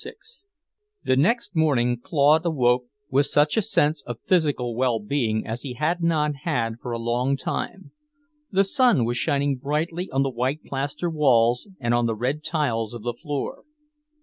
VI The next morning Claude awoke with such a sense of physical well being as he had not had for a long time. The sun was shining brightly on the white plaster walls and on the red tiles of the floor.